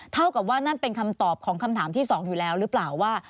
เท่ากับว่านั่นเป็นคำตอบของคำถามที่๒อยู่แล้วหรือเปล่าว่า